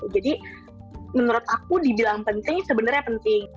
jadi menurut aku dibilang penting sebenarnya penting